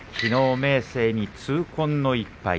明生に痛恨の１敗。